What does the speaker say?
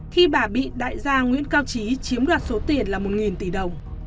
khi bà bị đại gia nguyễn cao trí chiếm đoạt số tiền là một tỷ đồng